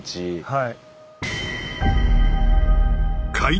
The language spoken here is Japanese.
はい。